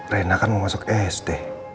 rena kan mau masuk sd